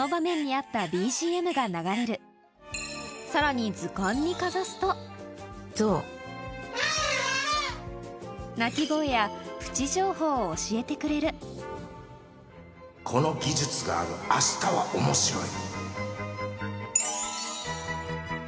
そのさらに図鑑にかざすと鳴き声やプチ情報を教えてくれるこの技術がある明日は面白い